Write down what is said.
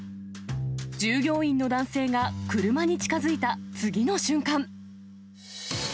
従業員の男性が車に近づいた次の瞬間。